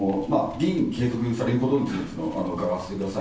議員継続されることについて、伺わせてください。